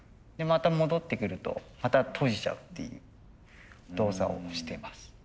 また戻ってくるとまた閉じちゃうっていう動作をしてます。